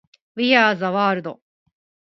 We are the world